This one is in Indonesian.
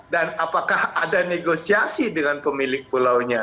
dan apakah ada negosiasi dengan pemilik pulaunya